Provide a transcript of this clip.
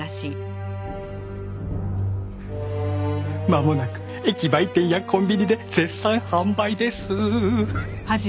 まもなく駅売店やコンビニで絶賛販売です！